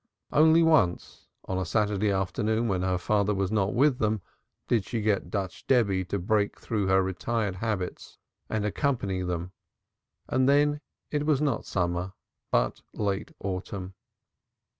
Only once on a Saturday afternoon when her father was not with them, did she get Dutch Debby to break through her retired habits and accompany them, and then it was not summer but late autumn.